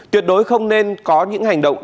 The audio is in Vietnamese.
tuyệt đối không nên có những hành động